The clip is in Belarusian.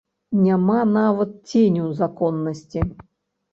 Няма нават ценю законнасці.